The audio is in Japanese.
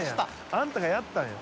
あんたがやったんや。